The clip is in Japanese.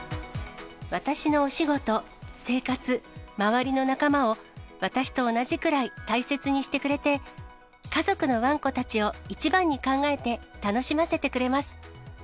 私のお仕事、生活、周りの仲間を私と同じくらい大切にしてくれて、家族のわんこたちを一番に考えて、楽しませてくれます。